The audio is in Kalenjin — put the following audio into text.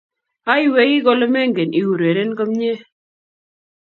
aywei kole mengen iureren komnyei